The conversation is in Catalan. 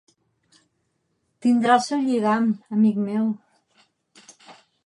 Tindrà el seu lligam, amic meu.